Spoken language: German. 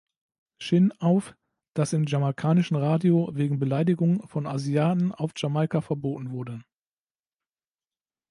Chin" auf, das im jamaikanischen Radio wegen Beleidigung von Asiaten auf Jamaika verboten wurde.